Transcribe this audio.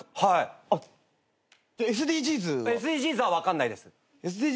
ＳＤＧｓは分かんないです。